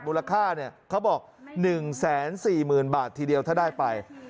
มูลค่าเนี่ยเขาบอกหนึ่งแสนสี่หมื่นบาททีเดียวถ้าได้ไป